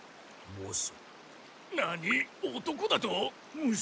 モソ！